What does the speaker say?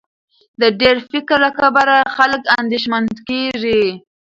د ډېر فکر له کبله خلک اندېښمن کېږي.